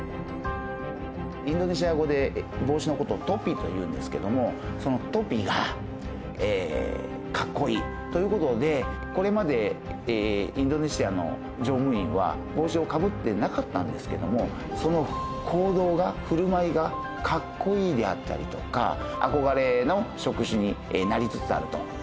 インドネシア語で帽子の事をトピというんですけどもそのトピがかっこいいという事でこれまでインドネシアの乗務員は帽子をかぶってなかったんですけどもその行動が振る舞いがかっこいいであったりとか憧れの職種になりつつあると。